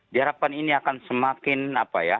diharapkan ini akan semakin apa ya